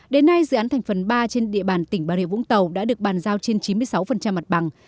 đến nay dự án thành phần ba trên địa bàn tỉnh bà rịa vũng tàu đã được bàn giao trên chín mươi sáu mặt bằng